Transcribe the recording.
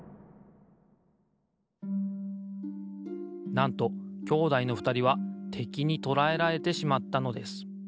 なんと兄弟のふたりはてきにとらえられてしまったのです。